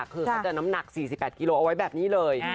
คือเขาจะน้ำหนัก๔๘กิโลเอาไว้แบบนี้เลย